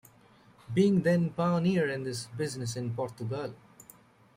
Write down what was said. Being then a pioneer in this business in Portugal.